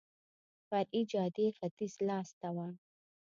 فرعي جادې ختیځ لاس ته وه.